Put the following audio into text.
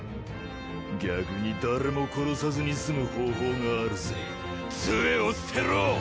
逆に誰も殺さずに済む方法があるぜ杖を捨てろ！